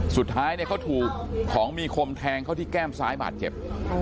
สุดท้ายเขาถูกของมีคมแทงเขาที่แก้มซ้ายบาดเจ็บ